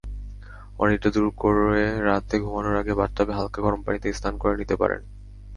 অনিদ্রা দূর করেরাতে ঘুমানোর আগে বাথটাবে হালকা গরম পানিতে স্নান করে নিতে পারেন।